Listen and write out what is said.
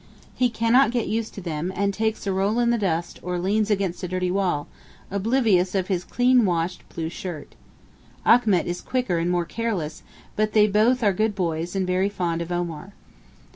He cannot get used to them, and takes a roll in the dust, or leans against a dirty wall, oblivious of his clean washed blue shirt. Achmet is quicker and more careless, but they both are good boys and very fond of Omar.